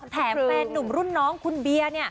แถมแฟนนุ่มรุ่นน้องคุณเบียร์